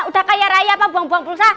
udah kaya raya apa buang buang bulsa